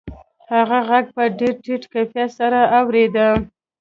هغه غږ په ډېر ټیټ کیفیت سره اورېده